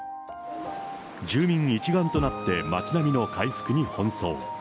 住民一丸となって町並みの回復に奔走。